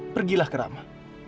pergilah ke rama